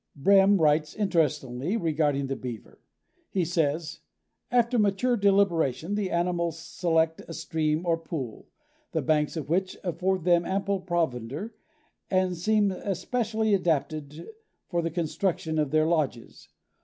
Brehm writes interestingly regarding the Beaver. He says: "After mature deliberation the animals select a stream or pool, the banks of which afford them ample provender and seem specially adapted for the construction of their 'lodges.